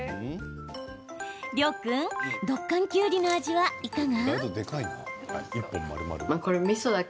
涼君、ドッカン・きゅうりの味はいかが？